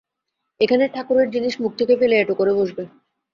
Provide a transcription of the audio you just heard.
এখানে ঠাকুরের জিনিস, মুখ থেকে ফেলে এঁটো করে বসবে।